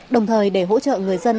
đồng thời để hỗ trợ người dân